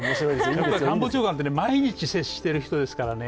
やっぱり官房長官って毎日、接している人ですからね。